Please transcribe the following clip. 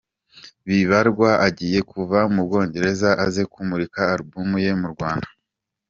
Bibarwa agiye kuva mu Bwongereza aze kumurikira Alubumu ye mu Rwanda